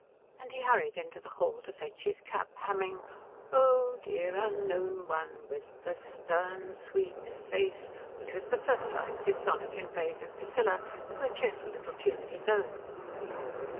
And he hurried into the hall to fetch his cap, humming O dear unknown One with the stern sweet face, which was the first line of his sonnet in praise of Priscilla, to a cheerful little tune of his own.